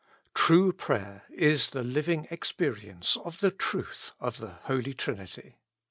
True prayer is the living experience of the truth of the Holy Trinity.